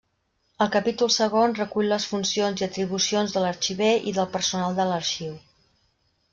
El capítol segon recull les funcions i atribucions de l'arxiver i del personal de l'Arxiu.